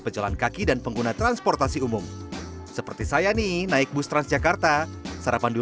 pejalan kaki dan pengguna transportasi umum seperti saya nih naik bus transjakarta sarapan